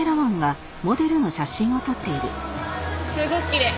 すごくきれい。